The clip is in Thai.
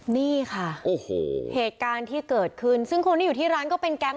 นี่ค่ะโอ้โหเหตุการณ์ที่เกิดขึ้นซึ่งคนที่อยู่ที่ร้านก็เป็นแก๊ง